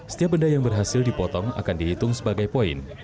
setiap benda yang berhasil dipotong akan dihitung sebagai poin